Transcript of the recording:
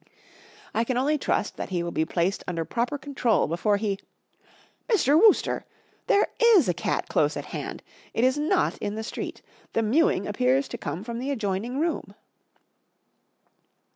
I can only trust that he will be placed under proper control before he Mr. Wooster, there is a cat close at hand ! It is not in the street ! The mewing appears to come from the adjoining room."